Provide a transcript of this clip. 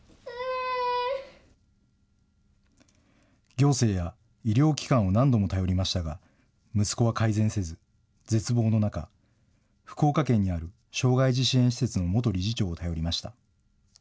行政や医療機関を何度も頼りましたが、息子は改善せず、絶望の中、福岡県にある障害児支援施設の元理事長を頼りました。